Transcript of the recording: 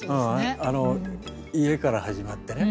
家から始まってね